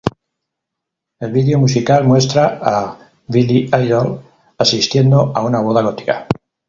El video musical muestra a Billy Idol asistiendo a una boda gótica.